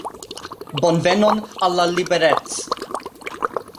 Bonvenon, Al la liberec'